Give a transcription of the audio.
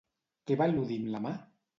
Què va al·ludir amb la mà?